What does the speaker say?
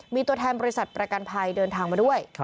มีตัวแทนบริษัทประกันภัยเดินทางมาด้วย